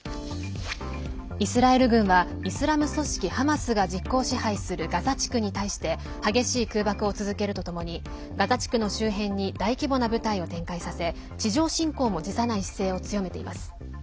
イスラエル軍はイスラム組織ハマスが実効支配するガザ地区に対して激しい空爆を続けるとともにガザ地区の周辺に大規模な部隊を展開させ地上侵攻も辞さない姿勢を強めています。